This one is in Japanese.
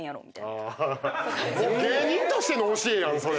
芸人としての教えやんそれ。